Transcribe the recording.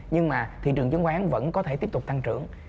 thì thị trường chứng khoán vẫn có thể tiếp tục tăng trưởng